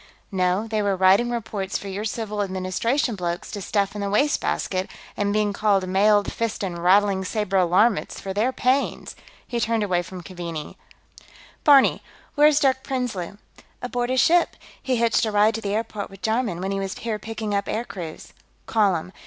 "No, they were writing reports for your civil administration blokes to stuff in the wastebasket, and being called mailed fist and rattling saber alarmists for their pains." He turned away from Keaveney. "Barney, where's Dirk Prinsloo?" "Aboard his ship. He hitched a ride to the airport with Jarman, when he was here picking up air crews." "Call him.